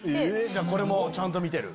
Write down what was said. じゃこれもちゃんと見てる。